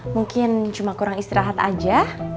mungkin cuma kurang istirahat aja